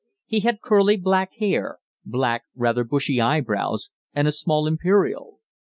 He had curly, black hair; black, rather bushy eyebrows; and a small imperial.